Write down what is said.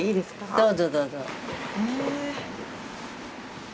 どうぞどうぞ。